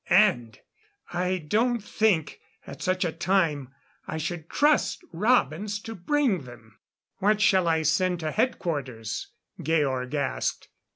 And I don't think, at such a time, I should trust Robins to bring them." "What shall I send to Headquarters?" Georg asked.